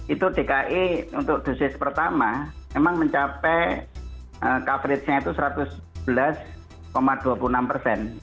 itu dki untuk dosis pertama memang mencapai coverage nya itu satu ratus sebelas dua puluh enam persen